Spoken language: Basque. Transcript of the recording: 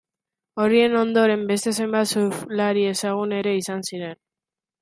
Horien ondoren, beste zenbait surflari ezagun ere izan ziren.